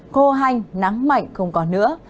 khô hành nắng mạnh không còn nữa